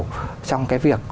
trong cái việc